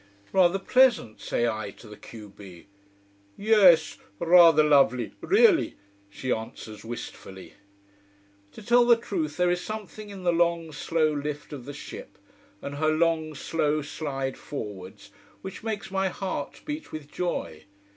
"Rather pleasant!" say I to the q b. "Yes. Rather lovely really," she answers wistfully. To tell the truth there is something in the long, slow lift of the ship, and her long, slow slide forwards which makes my heart beat with joy.